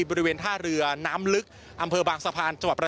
บริเวณท่าเรือน้ำลึกอำเภอบางสะพานจังหวัดประ